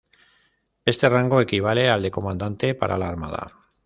Este rango equivale al de Comandante para la armada.